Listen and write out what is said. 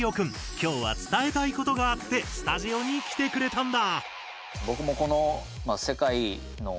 今日は伝えたいことがあってスタジオに来てくれたんだ。